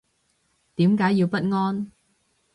點解要不安